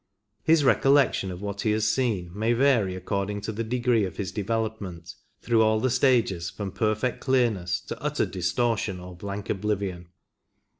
His recollection of what he has seen may vary according to the degree of his development through all the stages from perfect clearness to utter distortion or blank oblivion.